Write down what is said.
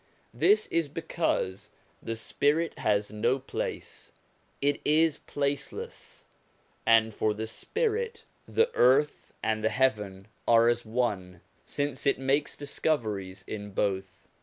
This is because the spirit has no place, it is placeless; and for the spirit, the earth and the heaven are as one, since it makes discoveries in both.